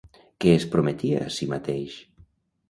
Què es prometia a si mateix?